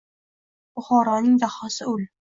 Buxoroning dahosi ul.